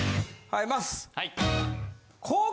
はい。